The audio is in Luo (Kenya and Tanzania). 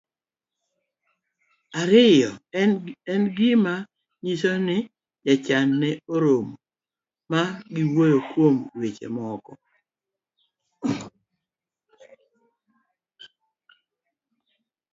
ariyo. En gima nyiso ni jochama ne oromo, ma giwuoyo kuom weche moko,